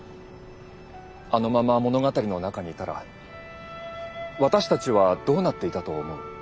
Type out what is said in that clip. あのまま物語の中にいたら私たちはどうなっていたと思う？